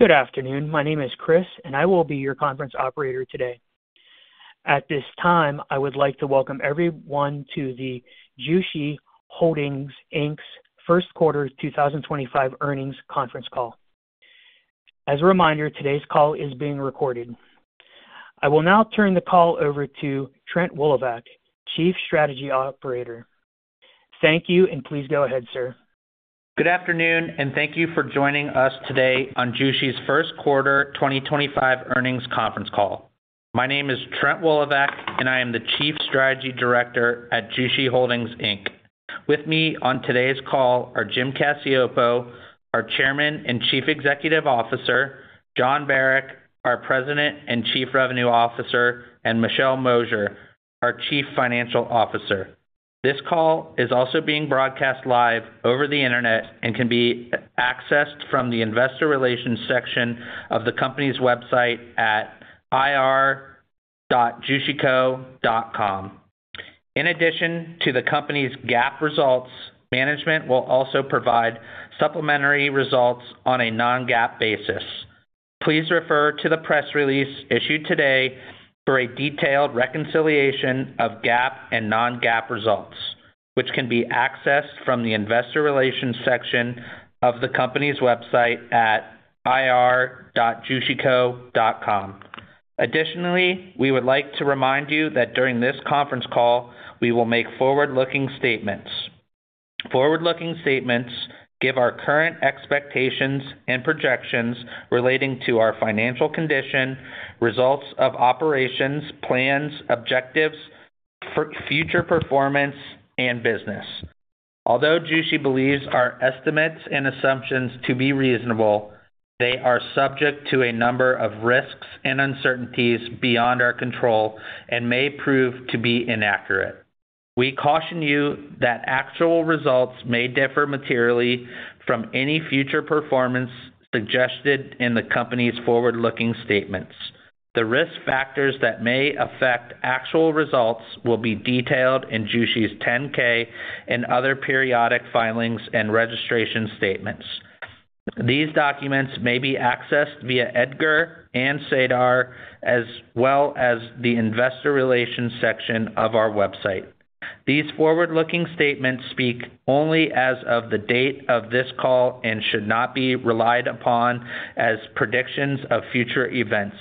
Good afternoon. My name is Chris, and I will be your conference operator today. At this time, I would like to welcome everyone to the Jushi Holdings Inc.'s first quarter 2025 earnings conference call. As a reminder, today's call is being recorded. I will now turn the call over to Trent Woloveck, Chief Strategy Operator. Thank you, and please go ahead, sir. Good afternoon, and Thank you for joining us today on Jushi's first quarter 2025 earnings conference call. My name is Trent Woloveck, and I am the Chief Strategy Director at Jushi Holdings Inc.. With me on today's call are Jim Cacioppo, our Chairman and Chief Executive Officer; Jon Barack, our President and Chief Revenue Officer; and Michelle Mosier, our Chief Financial Officer. This call is also being broadcast live over the internet and can be accessed from the Investor Relations section of the company's website at ir.jushico.com. In addition to the company's GAAP results, management will also provide supplementary results on a non-GAAP basis. Please refer to the press release issued today for a detailed reconciliation of GAAP and non-GAAP results, which can be accessed from the investor relations section of the company's website at ir.jushico.com. Additionally, we would like to remind you that during this conference call, we will make forward-looking statements. Forward-looking statements give our current expectations and projections relating to our financial condition, results of operations, plans, objectives, future performance, and business. Although Jushi believes our estimates and assumptions to be reasonable, they are subject to a number of risks and uncertainties beyond our control and may prove to be inaccurate. We caution you that actual results may differ materially from any future performance suggested in the company's forward-looking statements. The risk factors that may affect actual results will be detailed in Jushi's 10-K and other periodic filings and registration statements. These documents may be accessed via EDGAR and SEDAR, as well as the investor relations section of our website. These forward-looking statements speak only as of the date of this call and should not be relied upon as predictions of future events.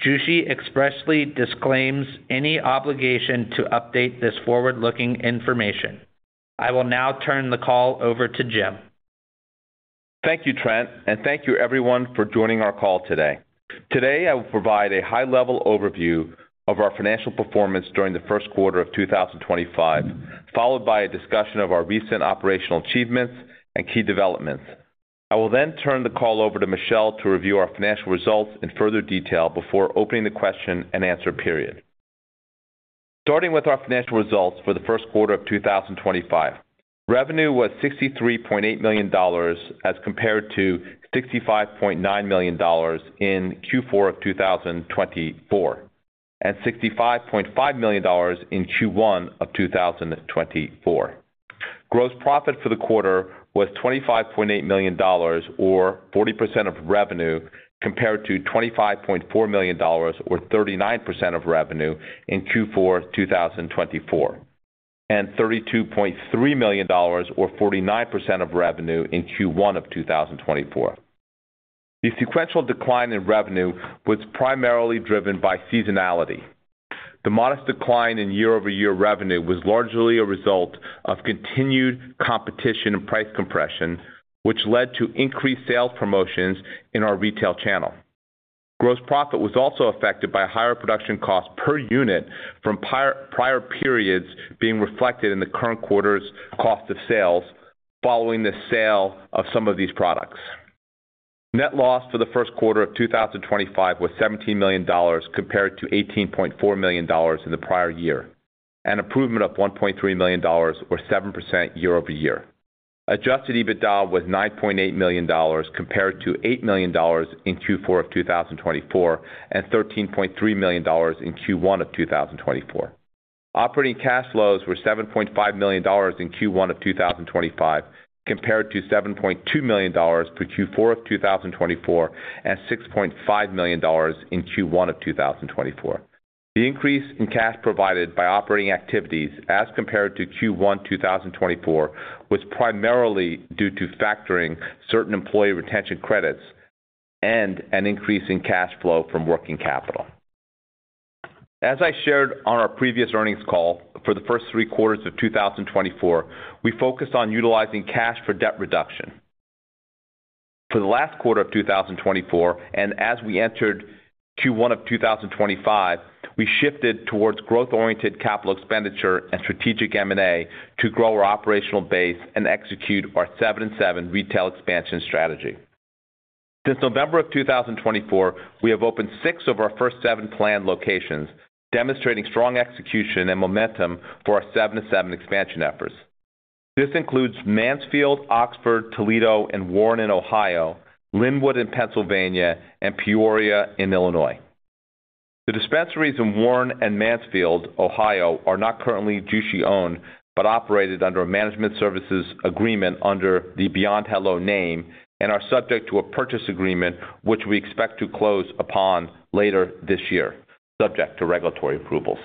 Jushi expressly disclaims any obligation to update this forward-looking information. I will now turn the call over to Jim. Thank you, Trent, and thank you, everyone, for joining our call today. Today, I will provide a high-level overview of our financial performance during the first quarter of 2025, followed by a discussion of our recent operational achievements and key developments. I will then turn the call over to Michelle to review our financial results in further detail before opening the question and answer period. Starting with our financial results for the first quarter of 2025, revenue was $63.8 million as compared to $65.9 million in Q4 of 2024 and $65.5 million in Q1 of 2024. Gross profit for the quarter was $25.8 million, or 40% of revenue, compared to $25.4 million, or 39% of revenue, in Q4 of 2024, and $32.3 million, or 49% of revenue, in Q1 of 2024. The sequential decline in revenue was primarily driven by seasonality. The modest decline in year-over-year revenue was largely a result of continued competition and price compression, which led to increased sales promotions in our retail channel. Gross profit was also affected by higher production costs per unit from prior periods being reflected in the current quarter's cost of sales following the sale of some of these products. Net loss for the first quarter of 2025 was $17 million compared to $18.4 million in the prior year, an improvement of $1.3 million, or 7% year-over-year. Adjusted EBITDA was $9.8 million compared to $8 million in Q4 of 2024 and $13.3 million in Q1 of 2024. Operating cash flows were $7.5 million in Q1 of 2025 compared to $7.2 million for Q4 of 2024 and $6.5 million in Q1 of 2024. The increase in cash provided by operating activities as compared to Q1 2024 was primarily due to factoring certain employee retention credits and an increase in cash flow from working capital. As I shared on our previous earnings call, for the first three quarters of 2024, we focused on utilizing cash for debt reduction. For the last quarter of 2024, and as we entered Q1 of 2025, we shifted towards growth-oriented capital expenditure and strategic M&A to grow our operational base and execute our seven-in-seven retail expansion strategy. Since November of 2024, we have opened six of our first seven planned locations, demonstrating strong execution and momentum for our seven-in-seven expansion efforts. This includes Mansfield, Oxford, Toledo, and Warren in Ohio, Linwood in Pennsylvania, and Peoria in Illinois. The dispensaries in Warren and Mansfield, Ohio, are not currently Jushi-owned but operated under a management services agreement under the Beyond Hello name and are subject to a purchase agreement, which we expect to close upon later this year, subject to regulatory approvals.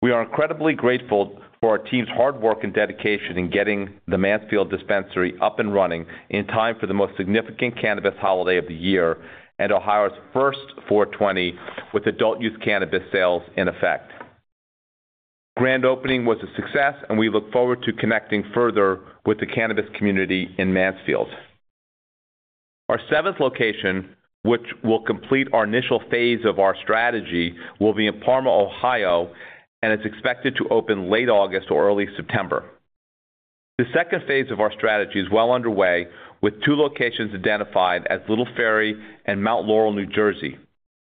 We are incredibly grateful for our team's hard work and dedication in getting the Mansfield dispensary up and running in time for the most significant cannabis holiday of the year and Ohio's first 420 with adult use cannabis sales in effect. The grand opening was a success, and we look forward to connecting further with the cannabis community in Mansfield. Our seventh location, which will complete our initial phase of our strategy, will be in Parma, Ohio, and is expected to open late August or early September. The second phase of our strategy is well underway, with two locations identified as Little Ferry and Mount Laurel, New Jersey.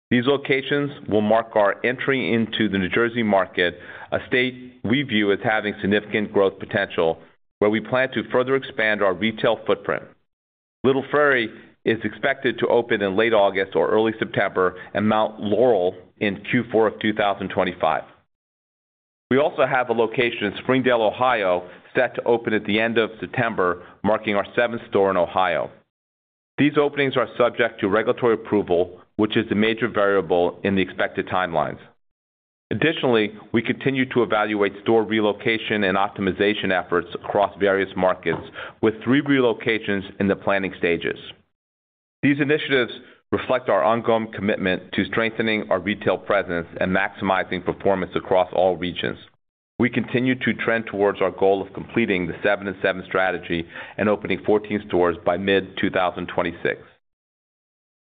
These locations will mark our entry into the New Jersey market, a state we view as having significant growth potential, where we plan to further expand our retail footprint. Little Ferry is expected to open in late August or early September, and Mount Laurel in Q4 2025. We also have a location in Springdale, Ohio, set to open at the end of September, marking our seventh store in Ohio. These openings are subject to regulatory approval, which is a major variable in the expected timelines. Additionally, we continue to evaluate store relocation and optimization efforts across various markets, with three relocations in the planning stages. These initiatives reflect our ongoing commitment to strengthening our retail presence and maximizing performance across all regions. We continue to trend towards our goal of completing the seven-in-seven strategy and opening 14 stores by mid-2026.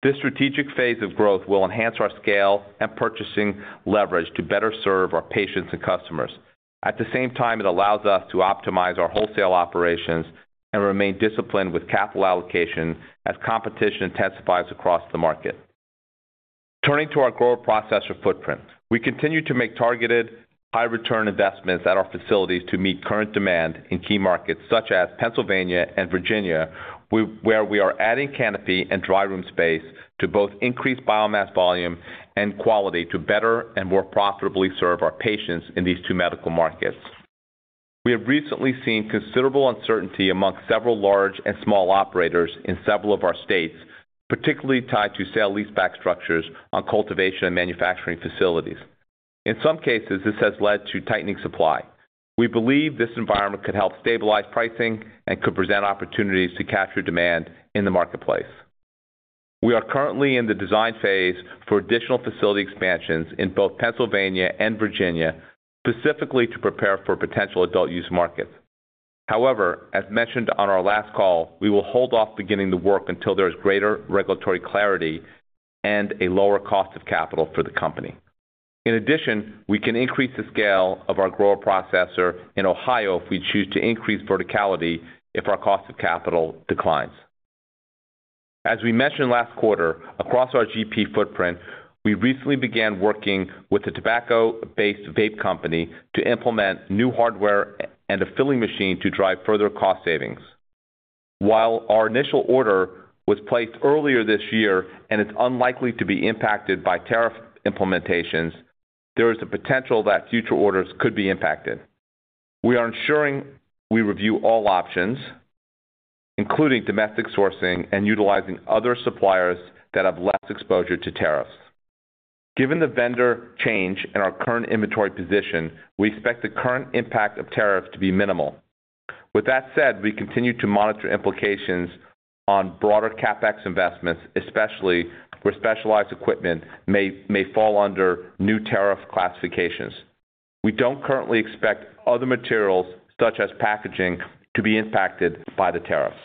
This strategic phase of growth will enhance our scale and purchasing leverage to better serve our patients and customers. At the same time, it allows us to optimize our wholesale operations and remain disciplined with capital allocation as competition intensifies across the market. Turning to our grower processor footprint, we continue to make targeted, high-return investments at our facilities to meet current demand in key markets such as Pennsylvania and Virginia, where we are adding canopy and dry room space to both increase biomass volume and quality to better and more profitably serve our patients in these two medical markets. We have recently seen considerable uncertainty among several large and small operators in several of our states, particularly tied to sale leaseback structures on cultivation and manufacturing facilities. In some cases, this has led to tightening supply. We believe this environment could help stabilize pricing and could present opportunities to capture demand in the marketplace. We are currently in the design phase for additional facility expansions in both Pennsylvania and Virginia, specifically to prepare for potential adult use markets. However, as mentioned on our last call, we will hold off beginning the work until there is greater regulatory clarity and a lower cost of capital for the company. In addition, we can increase the scale of our grower processor in Ohio if we choose to increase verticality if our cost of capital declines. As we mentioned last quarter, across our GP footprint, we recently began working with a tobacco-based vape company to implement new hardware and a filling machine to drive further cost savings. While our initial order was placed earlier this year and is unlikely to be impacted by tariff implementations, there is a potential that future orders could be impacted. We are ensuring we review all options, including domestic sourcing and utilizing other suppliers that have less exposure to tariffs. Given the vendor change in our current inventory position, we expect the current impact of tariffs to be minimal. With that said, we continue to monitor implications on broader CapEx investments, especially where specialized equipment may fall under new tariff classifications. We do not currently expect other materials such as packaging to be impacted by the tariffs.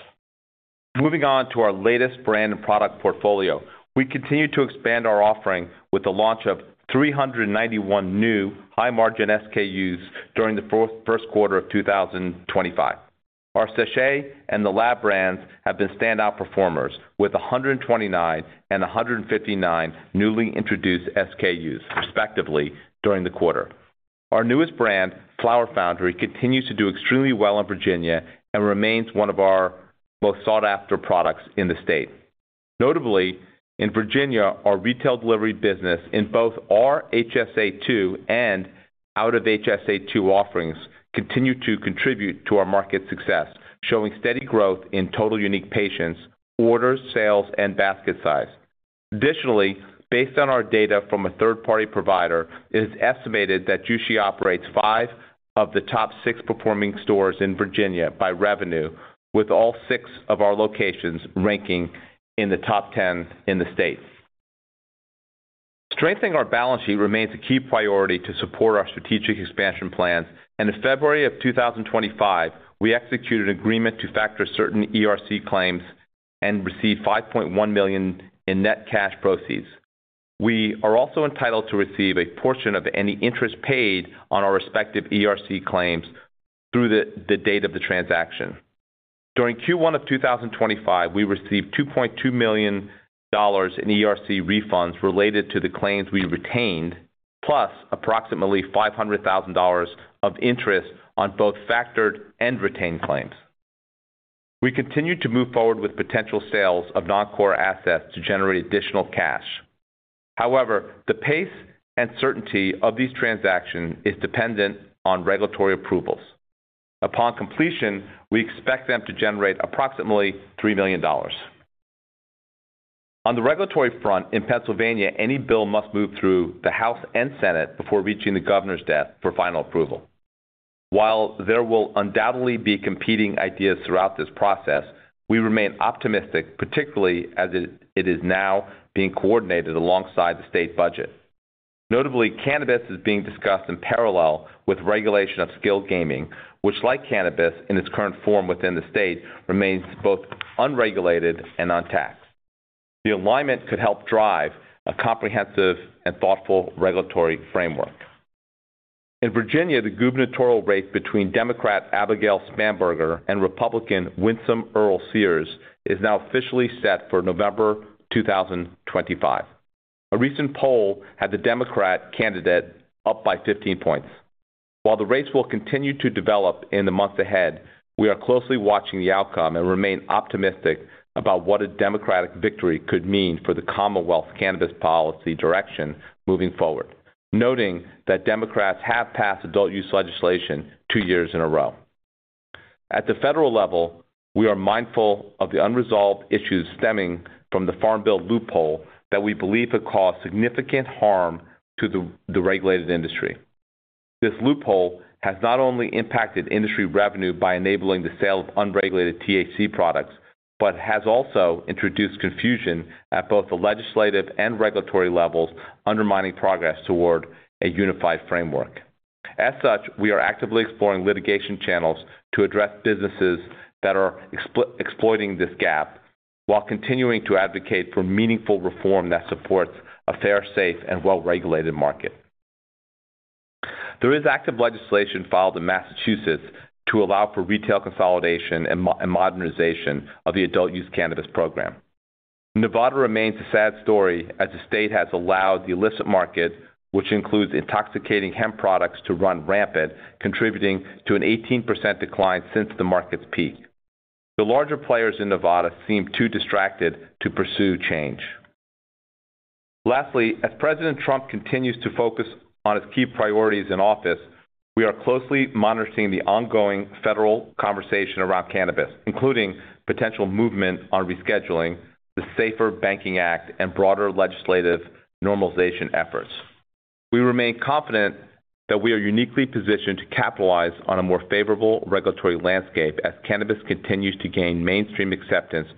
Moving on to our latest brand and product portfolio, we continue to expand our offering with the launch of 391 new high-margin SKUs during the first quarter of 2025. Our sache and the lab brands have been standout performers with 129 and 159 newly introduced SKUs, respectively, during the quarter. Our newest brand, Flower Foundry, continues to do extremely well in Virginia and remains one of our most sought-after products in the state. Notably, in Virginia, our retail delivery business in both our HSA2 and out-of-HSA2 offerings continue to contribute to our market success, showing steady growth in total unique patients, order sales, and basket size. Additionally, based on our data from a third-party provider, it is estimated that Jushi operates five of the top six performing stores in Virginia by revenue, with all six of our locations ranking in the top 10 in the state. Strengthening our balance sheet remains a key priority to support our strategic expansion plans, and in February of 2025, we executed an agreement to factor certain ERC claims and received $5.1 million in net cash proceeds. We are also entitled to receive a portion of any interest paid on our respective ERC claims through the date of the transaction. During Q1 of 2025, we received $2.2 million in ERC refunds related to the claims we retained, plus approximately $500,000 of interest on both factored and retained claims. We continue to move forward with potential sales of non-core assets to generate additional cash. However, the pace and certainty of these transactions is dependent on regulatory approvals. Upon completion, we expect them to generate approximately $3 million. On the regulatory front, in Pennsylvania, any bill must move through the House and Senate before reaching the Governor's desk for final approval. While there will undoubtedly be competing ideas throughout this process, we remain optimistic, particularly as it is now being coordinated alongside the state budget. Notably, cannabis is being discussed in parallel with regulation of skilled gaming, which, like cannabis in its current form within the state, remains both unregulated and untaxed. The alignment could help drive a comprehensive and thoughtful regulatory framework. In Virginia, the gubernatorial race between Democrat Abigail Spanberger and Republican Winsome Earle-Sears is now officially set for November 2025. A recent poll had the Democrat candidate up by 15%. While the race will continue to develop in the months ahead, we are closely watching the outcome and remain optimistic about what a Democratic victory could mean for the Commonwealth's cannabis policy direction moving forward, noting that Democrats have passed adult use legislation two years in a row. At the federal level, we are mindful of the unresolved issues stemming from the Farm Bill loophole that we believe have caused significant harm to the regulated industry. This loophole has not only impacted industry revenue by enabling the sale of unregulated THC products but has also introduced confusion at both the legislative and regulatory levels, undermining progress toward a unified framework. As such, we are actively exploring litigation channels to address businesses that are exploiting this gap while continuing to advocate for meaningful reform that supports a fair, safe, and well-regulated market. There is active legislation filed in Massachusetts to allow for retail consolidation and modernization of the adult use cannabis program. Nevada remains a sad story as the state has allowed the illicit market, which includes intoxicating hemp products, to run rampant, contributing to an 18% decline since the market's peak. The larger players in Nevada seem too distracted to pursue change. Lastly, as President Trump continues to focus on his key priorities in office, we are closely monitoring the ongoing federal conversation around cannabis, including potential movement on rescheduling, the Safer Banking Act, and broader legislative normalization efforts. We remain confident that we are uniquely positioned to capitalize on a more favorable regulatory landscape as cannabis continues to gain mainstream acceptance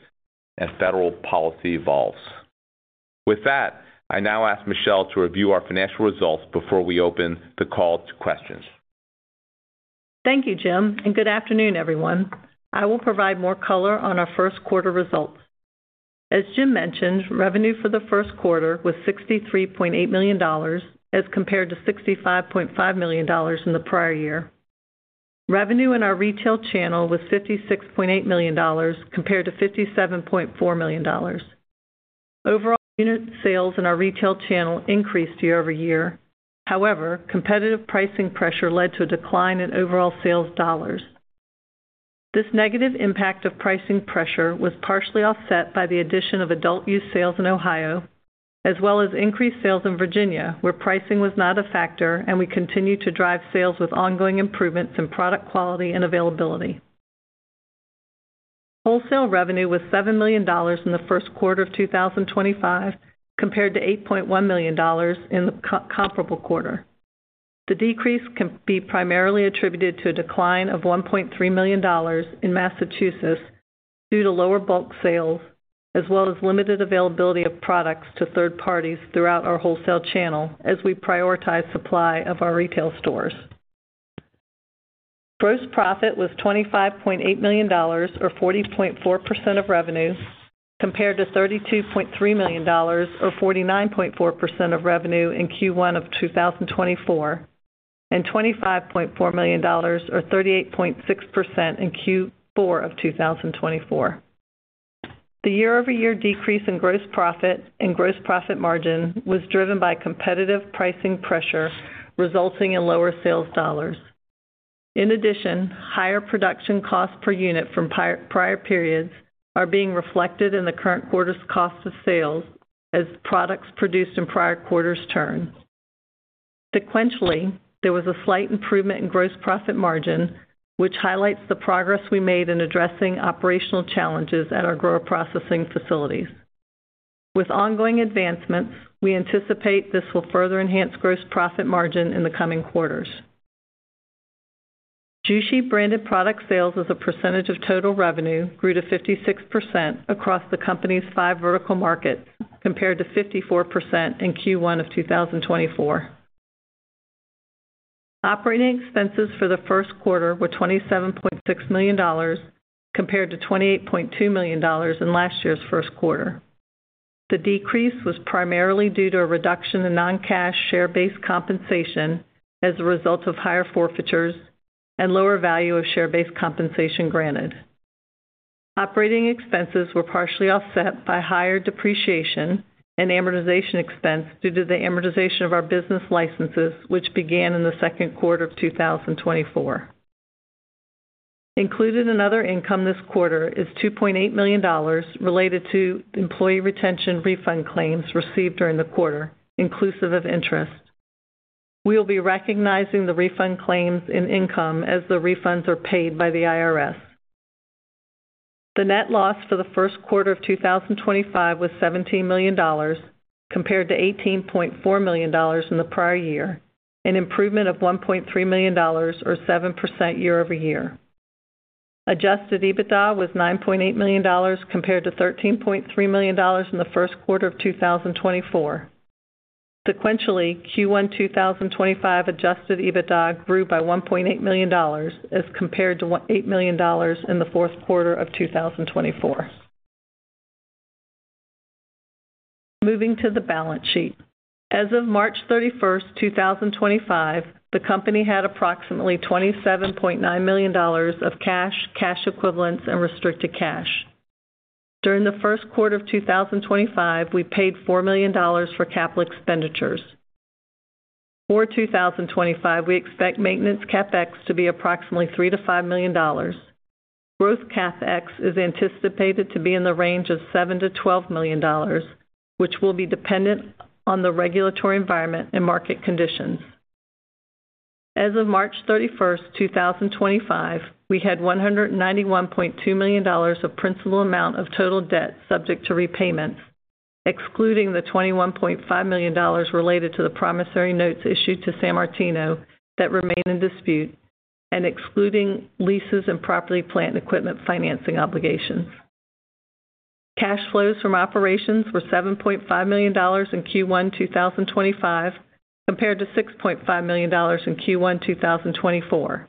as federal policy evolves. With that, I now ask Michelle to review our financial results before we open the call to questions. Thank you, Jim, and good afternoon, everyone. I will provide more color on our first quarter results. As Jim mentioned, revenue for the first quarter was $63.8 million as compared to $65.5 million in the prior year. Revenue in our retail channel was $56.8 million, compared to $57.4 million. Overall unit sales in our retail channel increased year-over-year. However, competitive pricing pressure led to a decline in overall sales dollars. This negative impact of pricing pressure was partially offset by the addition of adult use sales in Ohio, as well as increased sales in Virginia, where pricing was not a factor, and we continue to drive sales with ongoing improvements in product quality and availability. Wholesale revenue was $7 million in the first quarter of 2025, compared to $8.1 million in the comparable quarter. The decrease can be primarily attributed to a decline of $1.3 million in Massachusetts due to lower bulk sales, as well as limited availability of products to third parties throughout our wholesale channel as we prioritize supply of our retail stores. Gross profit was $25.8 million, or 40.4% of revenue, compared to $32.3 million, or 49.4% of revenue in Q1 of 2024, and $25.4 million, or 38.6%, in Q4 of 2024. The year-over-year decrease in gross profit and gross profit margin was driven by competitive pricing pressure, resulting in lower sales dollars. In addition, higher production costs per unit from prior periods are being reflected in the current quarter's cost of sales as products produced in prior quarters turn. Sequentially, there was a slight improvement in gross profit margin, which highlights the progress we made in addressing operational challenges at our grower processor facilities. With ongoing advancements, we anticipate this will further enhance gross profit margin in the coming quarters. Jushi branded product sales as a percentage of total revenue grew to 56% across the company's five vertical markets, compared to 54% in Q1 of 2024. Operating expenses for the first quarter were $27.6 million, compared to $28.2 million in last year's first quarter. The decrease was primarily due to a reduction in non-cash share-based compensation as a result of higher forfeitures and lower value of share-based compensation granted. Operating expenses were partially offset by higher depreciation and amortization expense due to the amortization of our business licenses, which began in the second quarter of 2024. Included in other income this quarter is $2.8 million related to employee retention refund claims received during the quarter, inclusive of interest. We will be recognizing the refund claims in income as the refunds are paid by the IRS. The net loss for the first quarter of 2025 was $17 million, compared to $18.4 million in the prior year, an improvement of $1.3 million, or 7% year-over-year. Adjusted EBITDA was $9.8 million, compared to $13.3 million in the first quarter of 2024. Sequentially, Q1 2025 adjusted EBITDA grew by $1.8 million as compared to $8 million in the fourth quarter of 2024. Moving to the balance sheet. As of March 31, 2025, the company had approximately $27.9 million of cash, cash equivalents, and restricted cash. During the first quarter of 2025, we paid $4 million for capital expenditures. For 2025, we expect maintenance CapEx to be approximately $3 million-$5 million. Growth CapEx is anticipated to be in the range of $7 million-$12 million, which will be dependent on the regulatory environment and market conditions. As of March 31st, 2025, we had $191.2 million of principal amount of total debt subject to repayments, excluding the $21.5 million related to the promissory notes issued to San Martino that remain in dispute and excluding leases and property, plant and equipment financing obligations. Cash flows from operations were $7.5 million in Q1 2025, compared to $6.5 million in Q1 2024.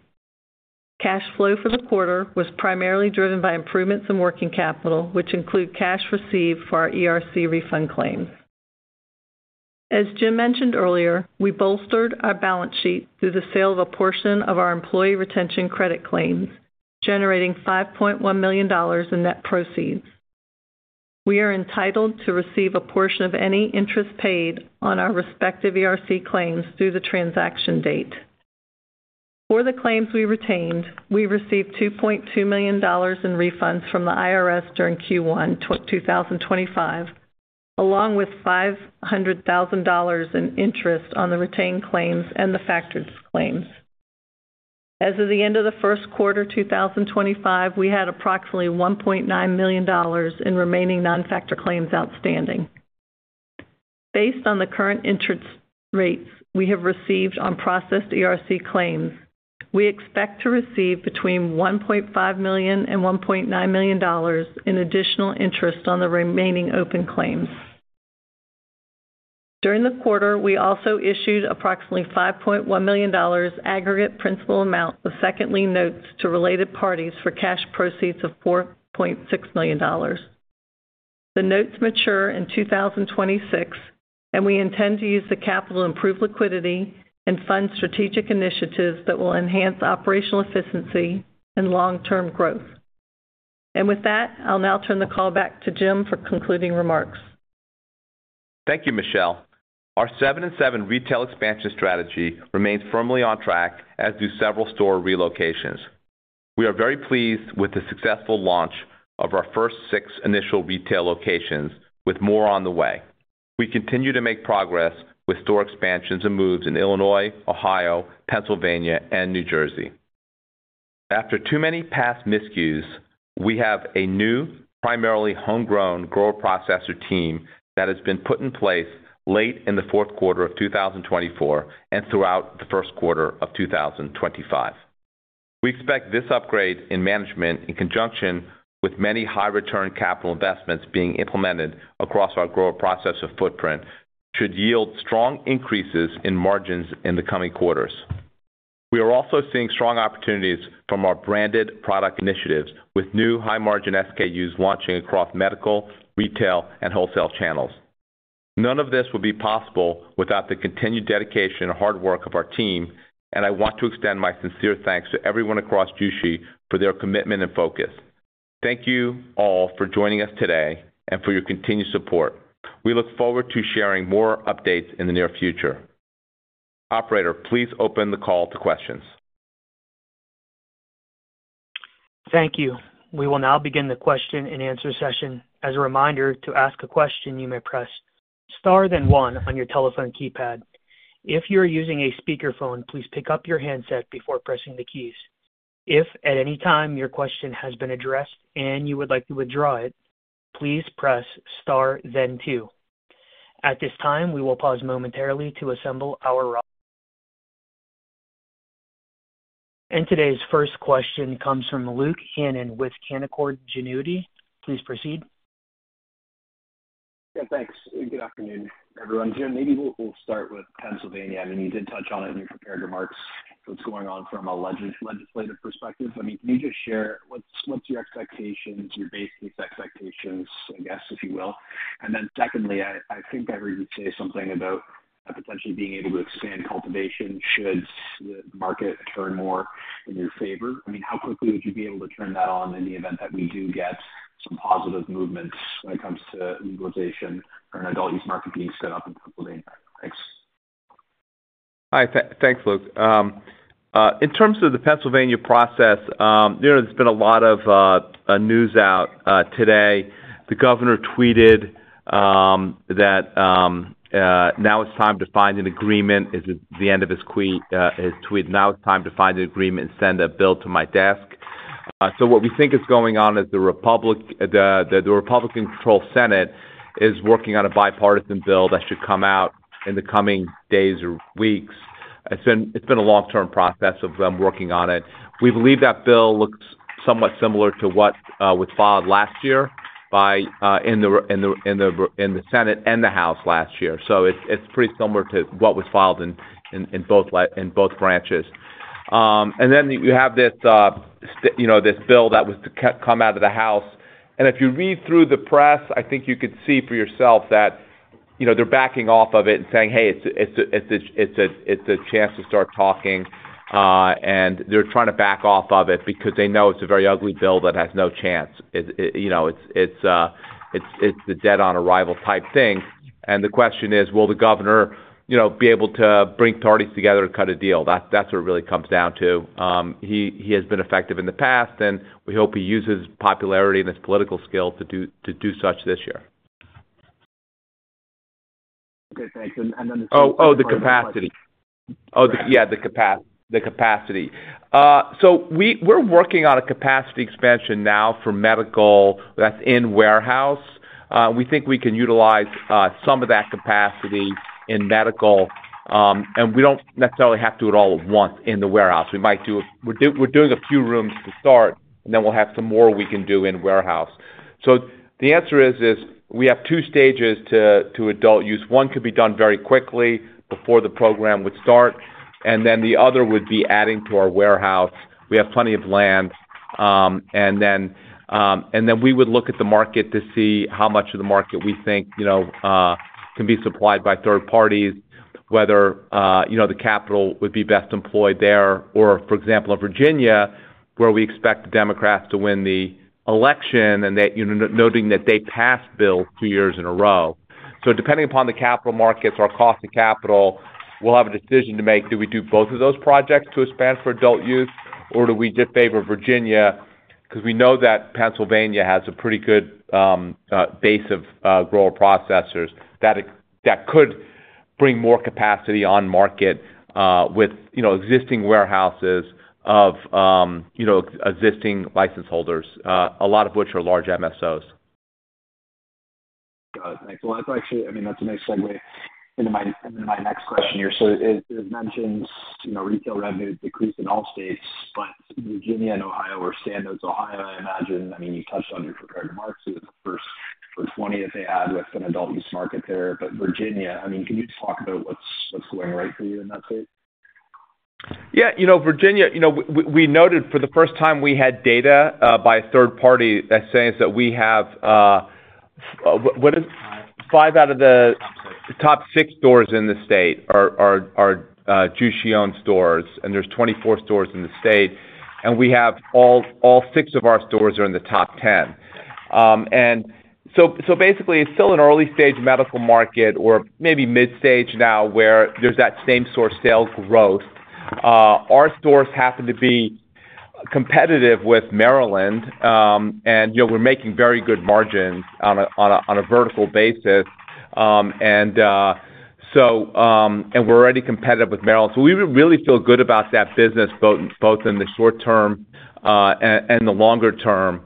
Cash flow for the quarter was primarily driven by improvements in working capital, which include cash received for our ERC refund claims. As Jim mentioned earlier, we bolstered our balance sheet through the sale of a portion of our employee retention credit claims, generating $5.1 million in net proceeds. We are entitled to receive a portion of any interest paid on our respective ERC claims through the transaction date. For the claims we retained, we received $2.2 million in refunds from the IRS during Q1 2025, along with $500,000 in interest on the retained claims and the factored claims. As of the end of the first quarter 2025, we had approximately $1.9 million in remaining non-factored claims outstanding. Based on the current interest rates we have received on processed ERC claims, we expect to receive between $1.5 million and $1.9 million in additional interest on the remaining open claims. During the quarter, we also issued approximately $5.1 million aggregate principal amount of second-lien notes to related parties for cash proceeds of $4.6 million. The notes mature in 2026, and we intend to use the capital to improve liquidity and fund strategic initiatives that will enhance operational efficiency and long-term growth. I will now turn the call back to Jim for concluding remarks. Thank you, Michelle. Our seven-in-seven retail expansion strategy remains firmly on track, as do several store relocations. We are very pleased with the successful launch of our first six initial retail locations, with more on the way. We continue to make progress with store expansions and moves in Illinois, Ohio, Pennsylvania, and New Jersey. After too many past miscues, we have a new, primarily homegrown grower processor team that has been put in place late in the fourth quarter of 2024 and throughout the first quarter of 2025. We expect this upgrade in management, in conjunction with many high-return capital investments being implemented across our grower processor footprint, should yield strong increases in margins in the coming quarters. We are also seeing strong opportunities from our branded product initiatives, with new high-margin SKUs launching across medical, retail, and wholesale channels. None of this would be possible without the continued dedication and hard work of our team, and I want to extend my sincere thanks to everyone across Jushi for their commitment and focus. Thank you all for joining us today and for your continued support. We look forward to sharing more updates in the near future. Operator, please open the call to questions. Thank you. We will now begin the question and answer session. As a reminder, to ask a question, you may press star, then one on your telephone keypad. If you are using a speakerphone, please pick up your handset before pressing the keys. If at any time your question has been addressed and you would like to withdraw it, please press star, then two. At this time, we will pause momentarily to assemble our... Today's first question comes from Luke Hannan with Canaccord Genuity. Please proceed. Yeah, thanks. Good afternoon, everyone. Jim, maybe we'll start with Pennsylvania. I mean, you did touch on it in your prepared remarks. What's going on from a legislative perspective? I mean, can you just share what's your expectations, your basic expectations, I guess, if you will? And then secondly, I think I heard you say something about potentially being able to expand cultivation should the market turn more in your favor. I mean, how quickly would you be able to turn that on in the event that we do get some positive movements when it comes to legalization for an adult use market being set up in Pennsylvania? Thanks. Hi, thanks, Luke. In terms of the Pennsylvania process, there's been a lot of news out today. The governor tweeted that now it's time to find an agreement. It's the end of his tweet. Now it's time to find an agreement and send a bill to my desk. What we think is going on is the Republican-controlled Senate is working on a bipartisan bill that should come out in the coming days or weeks. It's been a long-term process of them working on it. We believe that bill looks somewhat similar to what was filed last year in the Senate and the House last year. It's pretty similar to what was filed in both branches. You have this bill that was to come out of the House. If you read through the press, I think you could see for yourself that they're backing off of it and saying, "Hey, it's a chance to start talking." They're trying to back off of it because they know it's a very ugly bill that has no chance. It's the dead-on-arrival type thing. The question is, will the governor be able to bring parties together to cut a deal? That's what it really comes down to. He has been effective in the past, and we hope he uses his popularity and his political skill to do such this year. Okay, thanks. Oh, oh, the capacity. Oh, yeah, the capacity. We're working on a capacity expansion now for medical that's in warehouse. We think we can utilize some of that capacity in medical, and we don't necessarily have to do it all at once in the warehouse. We might do... We're doing a few rooms to start, and then we'll have some more we can do in warehouse. The answer is we have two stages to adult use. One could be done very quickly before the program would start, and then the other would be adding to our warehouse. We have plenty of land. We would look at the market to see how much of the market we think can be supplied by third parties, whether the capital would be best employed there, or, for example, in Virginia, where we expect the Democrats to win the election and noting that they passed bills two years in a row. Depending upon the capital markets, our cost of capital, we'll have a decision to make: do we do both of those projects to expand for adult use, or do we just favor Virginia? We know that Pennsylvania has a pretty good base of grower processors that could bring more capacity on market with existing warehouses of existing license holders, a lot of which are large MSOs. Got it. Thanks. That's actually, I mean, that's a nice segue into my next question here. It mentions retail revenue decreased in all states, but Virginia and Ohio are standouts. Ohio, I imagine. I mean, you touched on your prepared remarks for the first 20 stores that they had with an adult use market there. Virginia, I mean, can you just talk about what's going right for you in that state? Yeah. Virginia, we noted for the first time we had data by a third party that says that we have—what is it? Five out of the top six stores in the state are Jushi-owned stores, and there's 24 stores in the state. We have all six of our stores are in the top 10. Basically, it's still an early-stage medical market or maybe mid-stage now where there's that same-store sales growth. Our stores happen to be competitive with Maryland, and we're making very good margins on a vertical basis. We're already competitive with Maryland. We really feel good about that business, both in the short term and the longer term,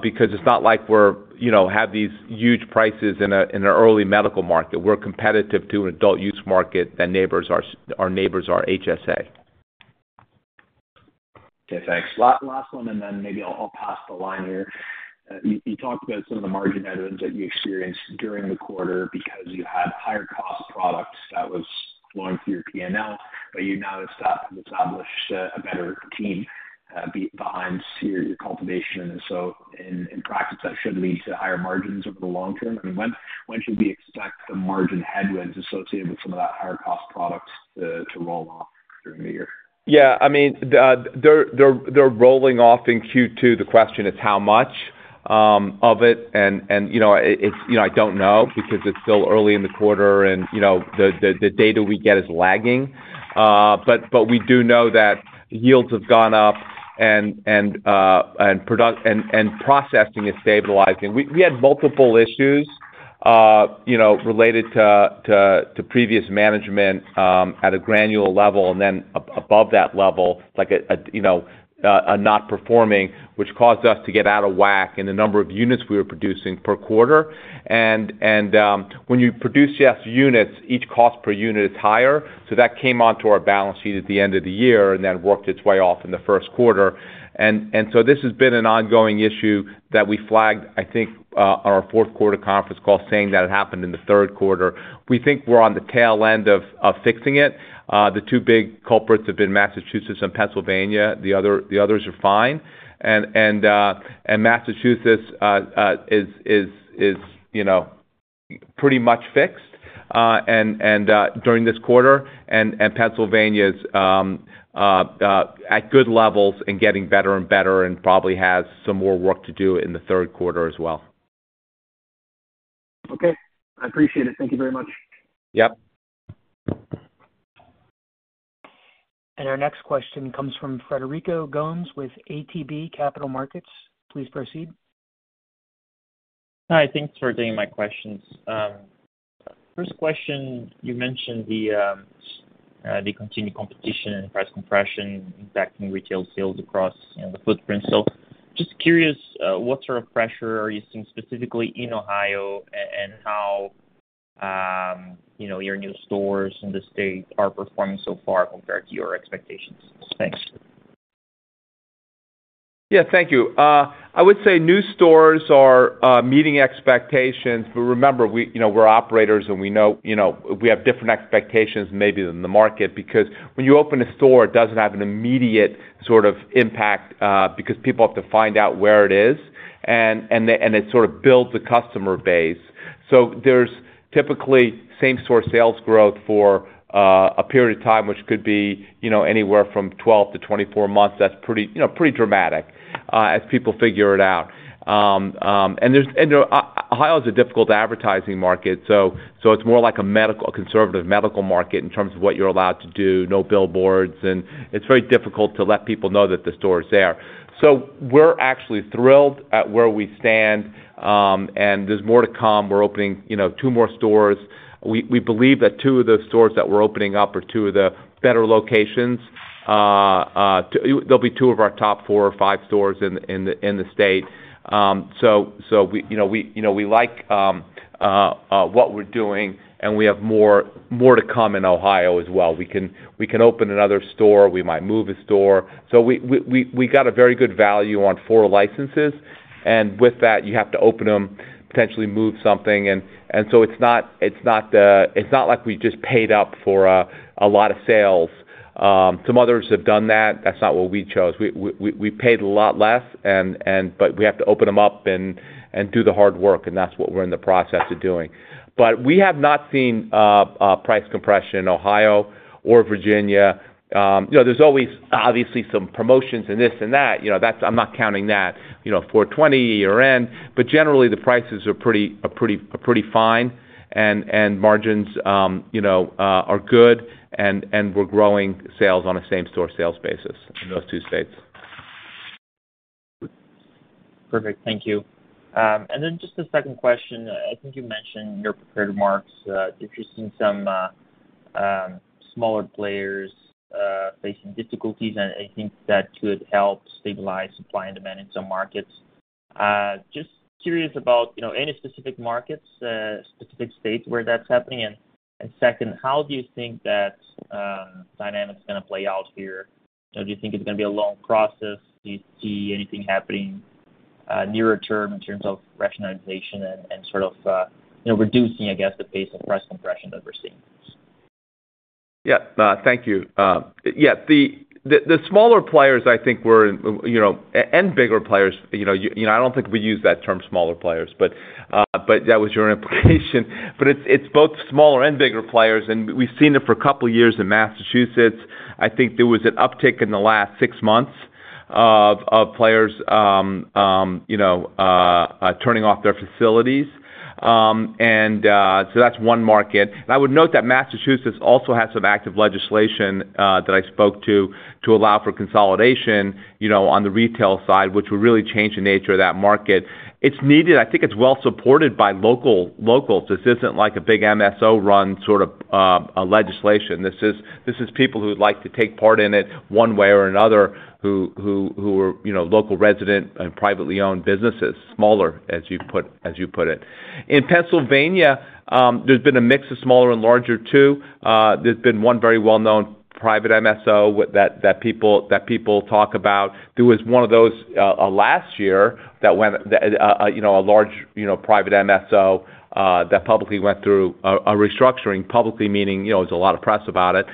because it's not like we have these huge prices in an early medical market. We're competitive to an adult use market that our neighbors are. HSA. Okay, thanks. Last one, and then maybe I'll pass the line here. You talked about some of the margin headwinds that you experienced during the quarter because you had higher-cost products that was flowing through your P&L, but you now have established a better team behind your cultivation. In practice, that should lead to higher margins over the long term. I mean, when should we expect the margin headwinds associated with some of that higher-cost product to roll off during the year? Yeah. I mean, they're rolling off in Q2. The question is how much of it. I don't know because it's still early in the quarter, and the data we get is lagging. We do know that yields have gone up, and processing is stabilizing. We had multiple issues related to previous management at a granular level, and then above that level, like a not performing, which caused us to get out of whack in the number of units we were producing per quarter. When you produce just units, each cost per unit is higher. That came onto our balance sheet at the end of the year and then worked its way off in the first quarter. This has been an ongoing issue that we flagged, I think, on our fourth quarter conference call, saying that it happened in the third quarter. We think we're on the tail end of fixing it. The two big culprits have been Massachusetts and Pennsylvania. The others are fine. Massachusetts is pretty much fixed during this quarter, and Pennsylvania is at good levels and getting better and better and probably has some more work to do in the third quarter as well. Okay. I appreciate it. Thank you very much. Yep. Our next question comes from Frederico Gomes with ATB Capital Markets. Please proceed. Hi. Thanks for taking my questions. First question, you mentioned the continued competition and price compression impacting retail sales across the footprint. Just curious, what sort of pressure are you seeing specifically in Ohio, and how your new stores in the state are performing so far compared to your expectations? Thanks. Yeah, thank you. I would say new stores are meeting expectations, but remember, we're operators, and we know we have different expectations maybe than the market because when you open a store, it doesn't have an immediate sort of impact because people have to find out where it is, and it sort of builds the customer base. There's typically same-store sales growth for a period of time, which could be anywhere from 12 months -24 months. That's pretty dramatic as people figure it out. Ohio is a difficult advertising market, so it's more like a conservative medical market in terms of what you're allowed to do, no billboards, and it's very difficult to let people know that the store is there. We're actually thrilled at where we stand, and there's more to come. We're opening two more stores. We believe that two of those stores that we're opening up are two of the better locations. There'll be two of our top four or five stores in the state. We like what we're doing, and we have more to come in Ohio as well. We can open another store. We might move a store. We got a very good value on four licenses, and with that, you have to open them, potentially move something. It's not like we just paid up for a lot of sales. Some others have done that. That's not what we chose. We paid a lot less, but we have to open them up and do the hard work, and that's what we're in the process of doing. We have not seen price compression in Ohio or Virginia. There's always, obviously, some promotions and this and that. I'm not counting that. For 2020 year-end, but generally, the prices are pretty fine, and margins are good, and we're growing sales on a same-store sales basis in those two states. Perfect. Thank you. Just a second question. I think you mentioned your prepared remarks. If you're seeing some smaller players facing difficulties, I think that could help stabilize supply and demand in some markets. Just curious about any specific markets, specific states where that's happening. Second, how do you think that dynamic is going to play out here? Do you think it's going to be a long process? Do you see anything happening nearer term in terms of rationalization and sort of reducing, I guess, the pace of price compression that we're seeing? Yeah. Thank you. Yeah. The smaller players, I think, and bigger players. I don't think we use that term smaller players, but that was your implication. But it's both smaller and bigger players, and we've seen it for a couple of years in Massachusetts. I think there was an uptick in the last six months of players turning off their facilities. That's one market. I would note that Massachusetts also has some active legislation that I spoke to to allow for consolidation on the retail side, which will really change the nature of that market. It's needed. I think it's well-supported by locals. This isn't like a big MSO-run sort of legislation. This is people who would like to take part in it one way or another who are local residents and privately owned businesses, smaller, as you put it. In Pennsylvania, there's been a mix of smaller and larger too. There's been one very well-known private MSO that people talk about. There was one of those last year that went, a large private MSO that publicly went through a restructuring, publicly meaning there was a lot of press about it.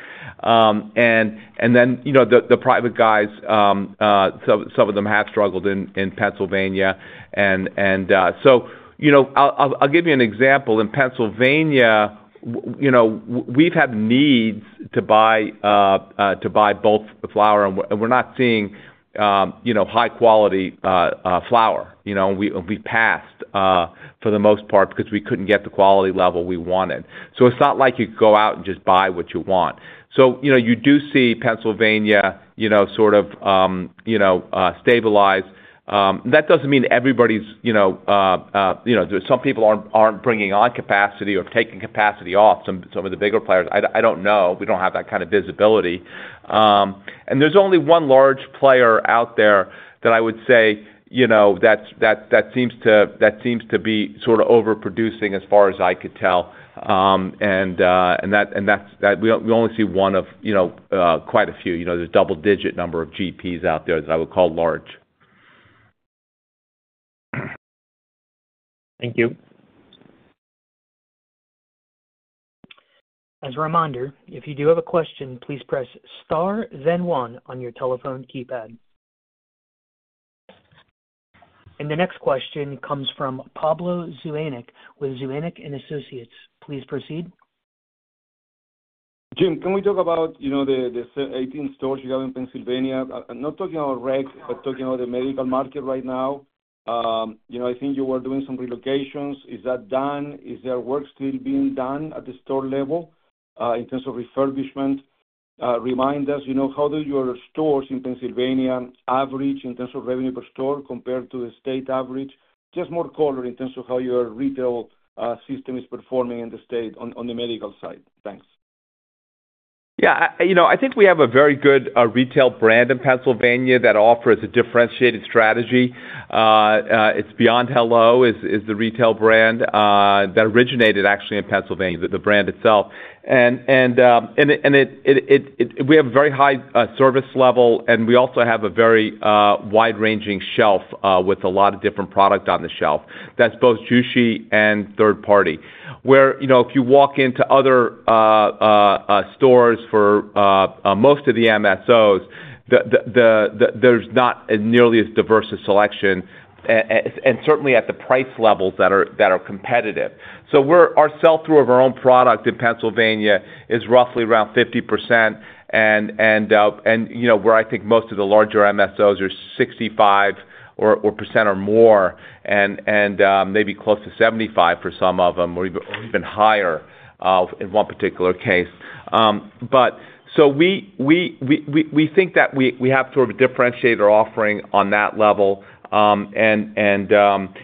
And then the private guys, some of them have struggled in Pennsylvania. I'll give you an example. In Pennsylvania, we've had needs to buy both flower, and we're not seeing high-quality flour. We passed for the most part because we couldn't get the quality level we wanted. It's not like you could go out and just buy what you want. You do see Pennsylvania sort of stabilize. That doesn't mean everybody's, some people aren't bringing on capacity or taking capacity off, some of the bigger players. I don't know. We don't have that kind of visibility. There's only one large player out there that I would say that seems to be sort of overproducing as far as I could tell. We only see one of quite a few. There's a double-digit number of GPs out there that I would call large. Thank you. As a reminder, if you do have a question, please press star, then one on your telephone keypad. The next question comes from Pablo Zuanic with Zuanic & Associates. Please proceed. Jim, can we talk about the 18 stores you have in Pennsylvania? I'm not talking about rec, but talking about the medical market right now. I think you were doing some relocations. Is that done? Is there work still being done at the store level in terms of refurbishment? Remind us, how do your stores in Pennsylvania average in terms of revenue per store compared to the state average? Just more color in terms of how your retail system is performing in the state on the medical side. Thanks. Yeah. I think we have a very good retail brand in Pennsylvania that offers a differentiated strategy. It's Beyond Hello is the retail brand that originated actually in Pennsylvania, the brand itself. And we have a very high service level, and we also have a very wide-ranging shelf with a lot of different products on the shelf. That's both Jushi and third party. Where if you walk into other stores for most of the MSOs, there's not nearly as diverse a selection, and certainly at the price levels that are competitive. Our sell-through of our own product in Pennsylvania is roughly around 50%, and where I think most of the larger MSOs are 65% or more, and maybe close to 75% for some of them, or even higher in one particular case. We think that we have sort of a differentiator offering on that level, and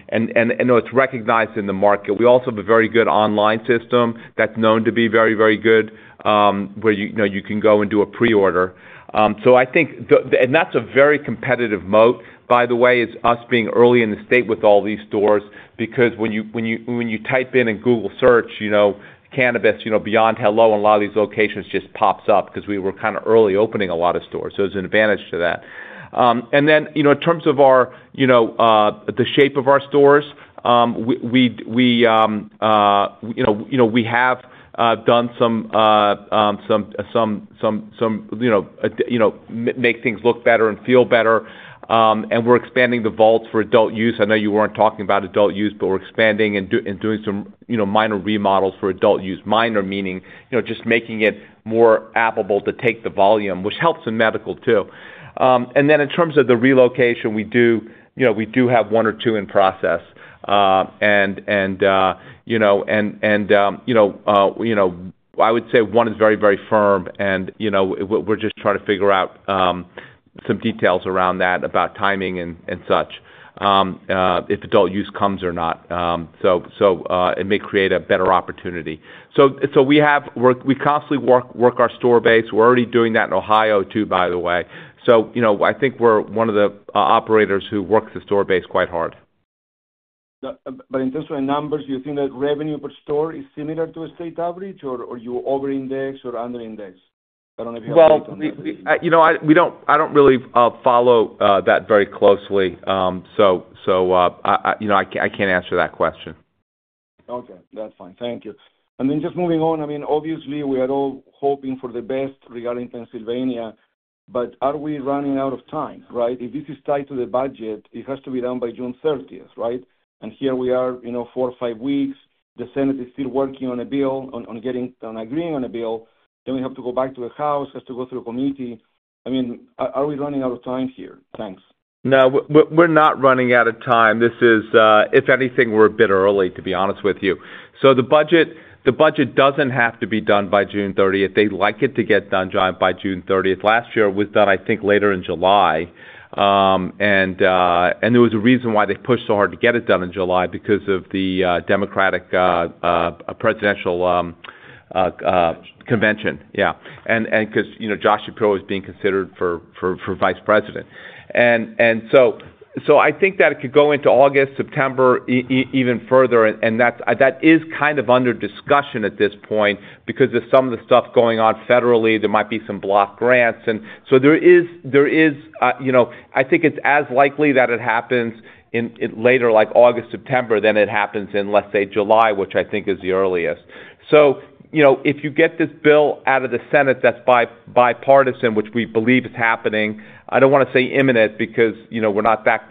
it's recognized in the market. We also have a very good online system that's known to be very, very good where you can go and do a pre-order. I think, and that's a very competitive moat, by the way, is us being early in the state with all these stores because when you type in Google search, cannabis, Beyond Hello, and a lot of these locations just pops up because we were kind of early opening a lot of stores. There's an advantage to that. In terms of the shape of our stores, we have done some make things look better and feel better, and we're expanding the vaults for adult use. I know you weren't talking about adult use, but we're expanding and doing some minor remodels for adult use. Minor meaning just making it more applicable to take the volume, which helps in medical too. In terms of the relocation, we do have one or two in process. I would say one is very, very firm, and we're just trying to figure out some details around that, about timing and such, if adult use comes or not. It may create a better opportunity. We constantly work our store base. We're already doing that in Ohio too, by the way. I think we're one of the operators who works the store base quite hard. In terms of numbers, do you think that revenue per store is similar to a state average, or are you over-indexed or under-indexed? I do not really follow that very closely, so I cannot answer that question. Okay. That is fine. Thank you. Just moving on, I mean, obviously, we are all hoping for the best regarding Pennsylvania, but are we running out of time, right? If this is tied to the budget, it has to be done by June 30, right? Here we are four or five weeks. The Senate is still working on a bill, on agreeing on a bill. Then we have to go back to the House, has to go through a committee. I mean, are we running out of time here? Thanks. No, we are not running out of time. If anything, we're a bit early, to be honest with you. The budget doesn't have to be done by June 30th. They'd like it to get done by June 30th. Last year, it was done, I think, later in July. There was a reason why they pushed so hard to get it done in July because of the Democratic presidential convention. Yeah. Because Josh Shapiro was being considered for Vice President. I think that it could go into August, September, even further. That is kind of under discussion at this point because of some of the stuff going on federally. There might be some block grants. I think it's as likely that it happens in later August, September than it happens in, let's say, July, which I think is the earliest. If you get this bill out of the Senate that's bipartisan, which we believe is happening, I don't want to say imminent because we're not that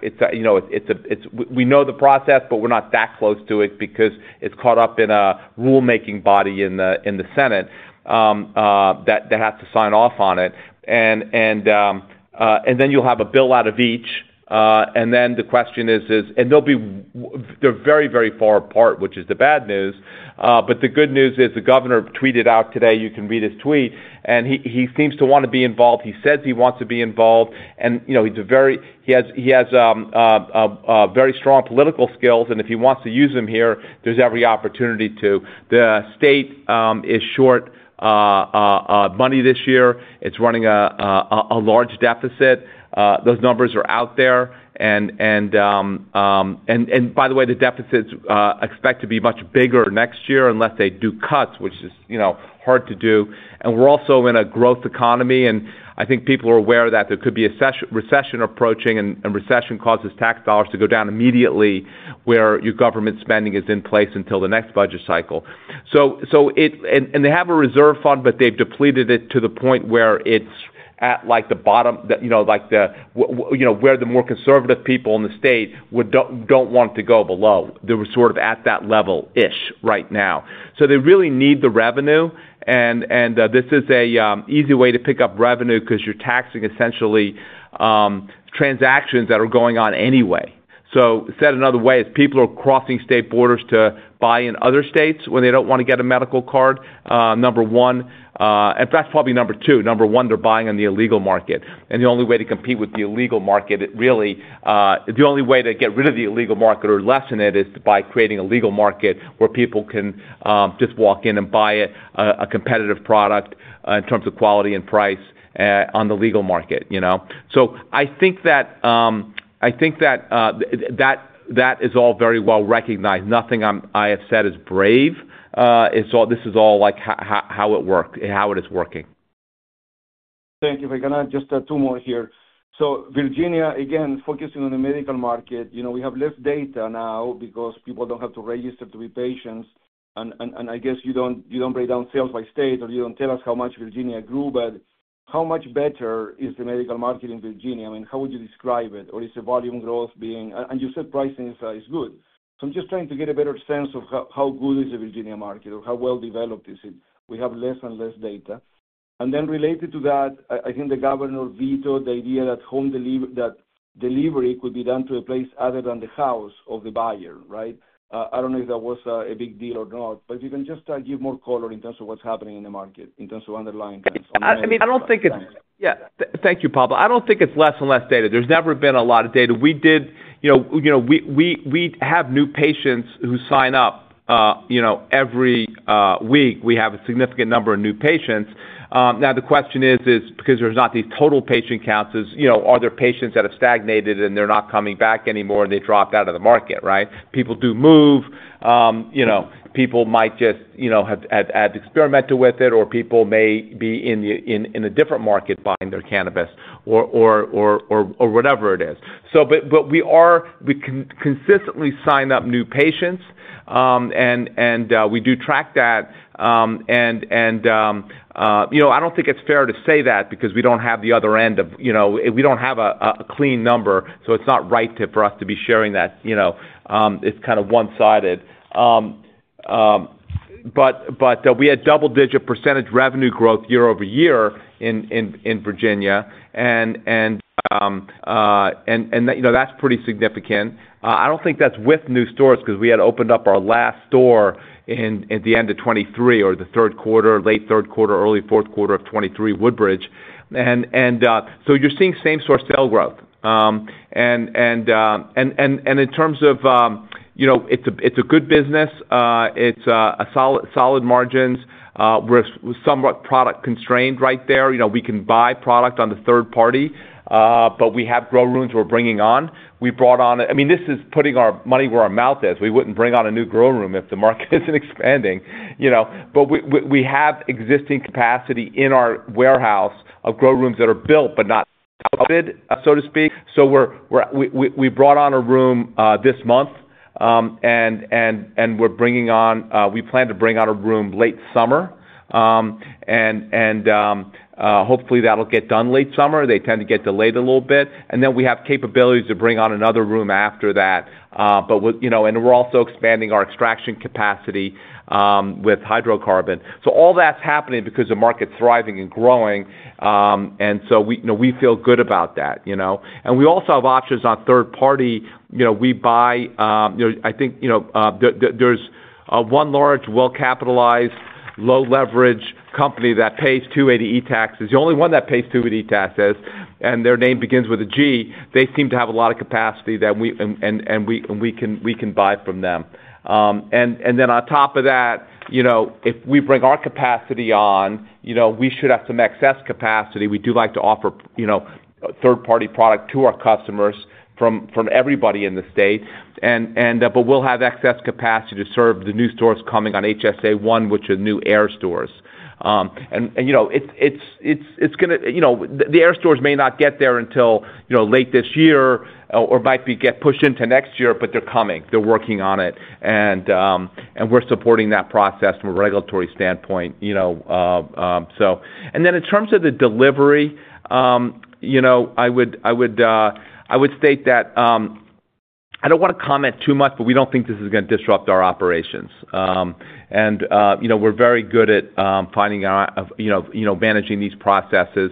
we know the process, but we're not that close to it because it's caught up in a rulemaking body in the Senate that has to sign off on it. Then you'll have a bill out of each. The question is, and they're very, very far apart, which is the bad news. The good news is the governor tweeted out today, you can read his tweet, and he seems to want to be involved. He says he wants to be involved, and he has very strong political skills, and if he wants to use them here, there's every opportunity to. The state is short money this year. It's running a large deficit. Those numbers are out there. By the way, the deficits are expected to be much bigger next year unless they do cuts, which is hard to do. We are also in a growth economy, and I think people are aware that there could be a recession approaching, and recession causes tax dollars to go down immediately where your government spending is in place until the next budget cycle. They have a reserve fund, but they have depleted it to the point where it is at the bottom, like where the more conservative people in the state do not want to go below. They are sort of at that level-ish right now. They really need the revenue, and this is an easy way to pick up revenue because you are taxing essentially transactions that are going on anyway. Said another way, if people are crossing state borders to buy in other states when they do not want to get a medical card, number one. In fact, probably number two, number one, they are buying on the illegal market. The only way to compete with the illegal market, really, the only way to get rid of the illegal market or lessen it is by creating a legal market where people can just walk in and buy a competitive product in terms of quality and price on the legal market. I think that is all very well recognized. Nothing I have said is brave. This is all how it works, how it is working. Thank you. We are going to have just two more here. Virginia, again, focusing on the medical market. We have less data now because people do not have to register to be patients. I guess you do not break down sales by state or you do not tell us how much Virginia grew, but how much better is the medical market in Virginia? I mean, how would you describe it? Or is the volume growth being—and you said pricing is good. I am just trying to get a better sense of how good is the Virginia market or how well developed is it? We have less and less data. Then related to that, I think the governor vetoed the idea that home delivery could be done to a place other than the house of the buyer, right? I do not know if that was a big deal or not, but if you can just give more color in terms of what is happening in the market, in terms of underlying— I mean, I do not think it is—yeah. Thank you, Pablo. I do not think it is less and less data. There has never been a lot of data. We did—we have new patients who sign up every week. We have a significant number of new patients. Now, the question is, because there are not these total patient counts, are there patients that have stagnated and they are not coming back anymore and they dropped out of the market, right? People do move. People might just have experimented with it, or people may be in a different market buying their cannabis or whatever it is. We consistently sign up new patients, and we do track that. I do not think it is fair to say that because we do not have the other end of—we do not have a clean number, so it is not right for us to be sharing that. It is kind of one-sided. We had double-digit % revenue growth year-over-year in Virginia, and that is pretty significant. I do not think that is with new stores because we had opened up our last store at the end of 2023 or the third quarter, late third quarter, early fourth quarter of 2023, Woodbridge. You are seeing same-store sale growth. In terms of it is a good business. It is solid margins. We are somewhat product constrained right there. We can buy product on the third party, but we have grow rooms we are bringing on. We brought on—I mean, this is putting our money where our mouth is. We would not bring on a new grow room if the market is not expanding. We have existing capacity in our warehouse of grow rooms that are built, but not coveted, so to speak. We brought on a room this month, and we plan to bring on a room late summer. Hopefully, that will get done late summer. They tend to get delayed a little bit. We have capabilities to bring on another room after that. We are also expanding our extraction capacity with hydrocarbon. All that is happening because the market is thriving and growing, and we feel good about that. We also have options on third party. We buy—I think there is one large, well-capitalized, low-leverage company that pays 280E taxes. The only one that pays 280E taxes, and their name begins with a G, they seem to have a lot of capacity that we can buy from them. On top of that, if we bring our capacity on, we should have some excess capacity. We do like to offer third-party product to our customers from everybody in the state. We will have excess capacity to serve the new stores coming on HSA-1, which are new air stores. The air stores may not get there until late this year or might get pushed into next year, but they are coming. They are working on it, and we are supporting that process from a regulatory standpoint. In terms of the delivery, I would state that I do not want to comment too much, but we do not think this is going to disrupt our operations. We're very good at finding out of managing these processes.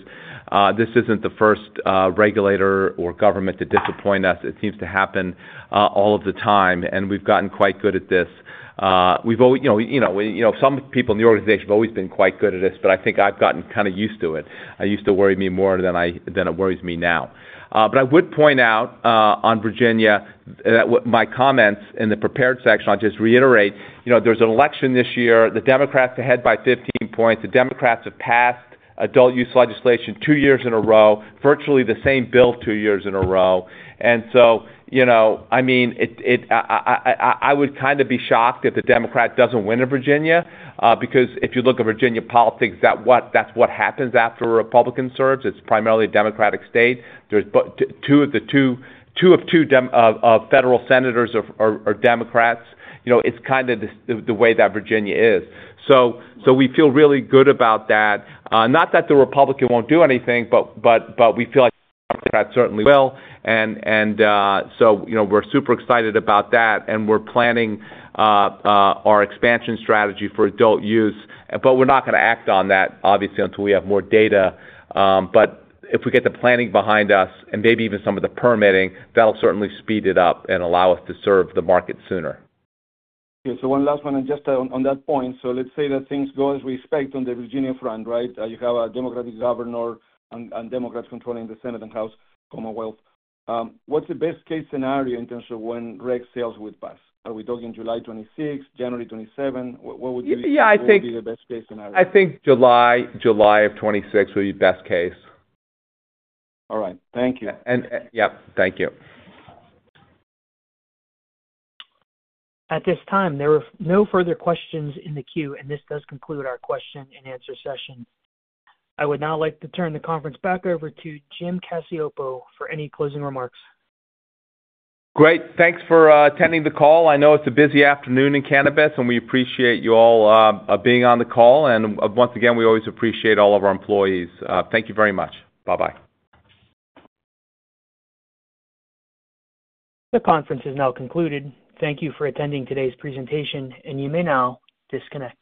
This isn't the first regulator or government to disappoint us. It seems to happen all of the time, and we've gotten quite good at this. Some people in the organization have always been quite good at this, but I think I've gotten kind of used to it. It used to worry me more than it worries me now. I would point out on Virginia that my comments in the prepared section, I'll just reiterate, there's an election this year. The Democrats are ahead by 15%. The Democrats have passed adult use legislation two years in a row, virtually the same bill two years in a row. I mean, I would kind of be shocked if the Democrat doesn't win in Virginia because if you look at Virginia politics, that's what happens after a Republican serves. It's primarily a Democratic state. Two of two federal senators are Democrats. It's kind of the way that Virginia is. We feel really good about that. Not that the Republican won't do anything, but we feel like the Democrat certainly will. We are super excited about that, and we're planning our expansion strategy for adult use. We're not going to act on that, obviously, until we have more data. If we get the planning behind us and maybe even some of the permitting, that'll certainly speed it up and allow us to serve the market sooner. Okay. One last one, and just on that point. Let's say that things go as we expect on the Virginia front, right? You have a Democratic governor and Democrats controlling the Senate and House Commonwealth. What's the best-case scenario in terms of when reg sales would pass? Are we talking July 2026, January 2027? What would you— Yeah, I think—what would be the best-case scenario? I think July of 2026 would be best case. All right. Thank you. Yep, thank you. At this time, there are no further questions in the queue, and this does conclude our question-and-answer session. I would now like to turn the conference back over to Jim Cacioppo for any closing remarks. Great. Thanks for attending the call. I know it's a busy afternoon in cannabis, and we appreciate you all being on the call. Once again, we always appreciate all of our employees. Thank you very much. Bye-bye. The conference is now concluded. Thank you for attending today's presentation, and you may now disconnect.